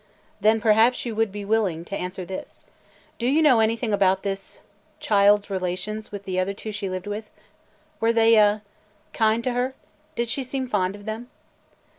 "Then, perhaps you would be willing to answer this. Do you know anything about this – child's relations with the other two she lived with? Were they – er – kind to her? Did she seem fond of them?"